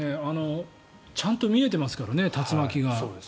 ちゃんと見えていますからね、竜巻が。